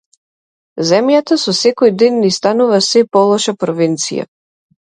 Земјата со секој ден ни станува сѐ полоша провинција.